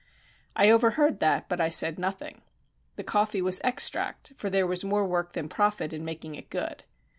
I overheard that, but I said nothing. The coffee was extract, for there was more work than profit in making it good.